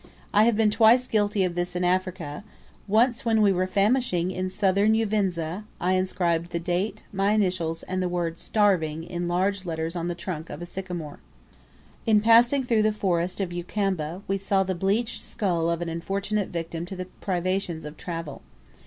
I have been twice guilty of this in Africa once when we were famishing in Southern Uvinza I inscribed the date, my initials, and the word "Starving," in large letters on the trunk of a sycamore. In passing through the forest of Ukamba, we saw the bleached skull of an unfortunate victim to the privations of travel.